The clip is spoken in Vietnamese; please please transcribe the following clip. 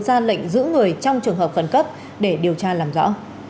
ra lệnh giữ người trong trường hợp khẩn cấp để điều tra làm rõ